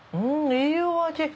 いいお味。